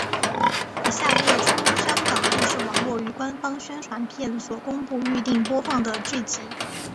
以下列出香港电视网络于官方宣传片所公布预定播放的剧集。